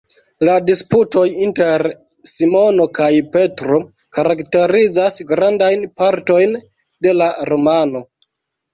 La disputoj inter Simono kaj Petro karakterizas grandajn partojn de la romano.